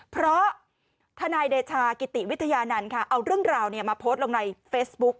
เพราะทนายเดชากิติวิทยานันต์ค่ะเอาเรื่องราวมาโพสต์ลงในเฟซบุ๊ก